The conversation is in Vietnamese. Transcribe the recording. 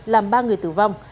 làm ba người tử vong